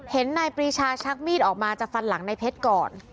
เห็นนายปริชาชักมีดออกมาจากฟันหลังในเพชรก่อน